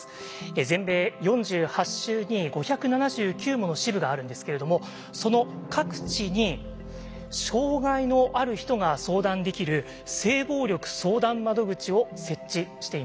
全米４８州に５７９もの支部があるんですけれどもその各地に障害のある人が相談できる性暴力相談窓口を設置しています。